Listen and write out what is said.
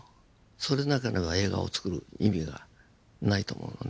それでなければ映画をつくる意味がないと思うのね。